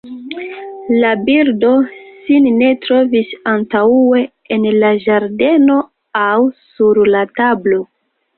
La birdo sin ne trovis antaŭe en la ĝardeno aŭ sur la tablo.